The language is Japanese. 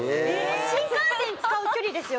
新幹線使う距離ですよ